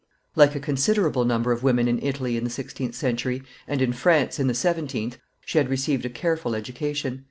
Like a considerable number of women in Italy in the sixteenth century, and in France in the seventeenth, she had received a careful education.